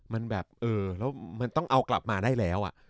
มันแบบเออแล้วมันต้องเอากลับมาได้แล้ว